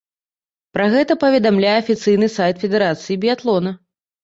Пра гэта паведамляе афіцыйны сайт федэрацыі біятлона.